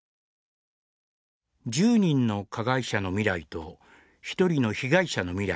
「１０人の加害者の未来と１人の被害者の未来